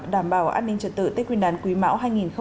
đảm bảo an ninh trật tự tết quyền đán quý mão hai nghìn hai mươi ba